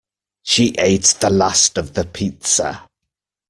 She ate the last of the pizza